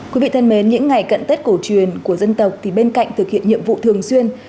quý vị thân mến những ngày cận tết cổ truyền của dân tộc thì bên cạnh thực hiện nhiệm vụ thường xuyên